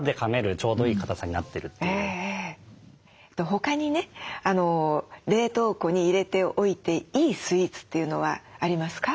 他にね冷凍庫に入れておいていいスイーツというのはありますか？